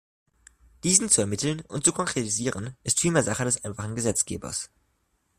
Diesen zu ermitteln und zu konkretisieren, ist vielmehr Sache des einfachen Gesetzgebers.